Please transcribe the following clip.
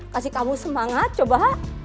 kasih kamu semangat coba